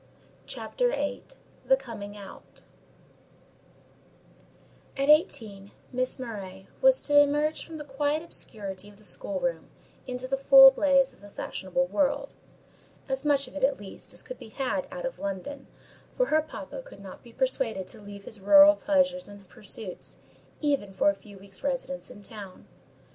CHAPTER VIII. THE "COMING OUT" At eighteen, Miss Murray was to emerge from the quiet obscurity of the schoolroom into the full blaze of the fashionable world—as much of it, at least, as could be had out of London; for her papa could not be persuaded to leave his rural pleasures and pursuits, even for a few weeks' residence in town.